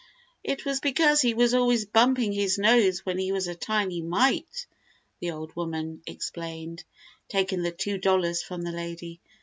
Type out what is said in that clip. "It was because he was always bumping his nose when he was a tiny mite," the old woman explained, taking the two dollars from the lady.